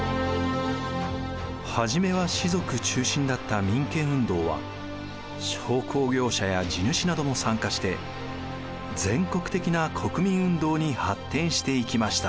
はじめは士族中心だった民権運動は商工業者や地主なども参加して全国的な国民運動に発展していきました。